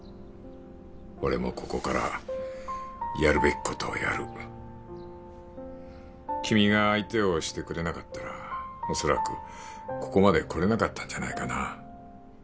俺もここからやるべきことをやる君が相手をしてくれなかったら恐らくここまでこれなかったんじゃないかな